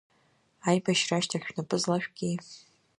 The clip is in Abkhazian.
Аибашьра ашьҭахь шәнапы злашәки?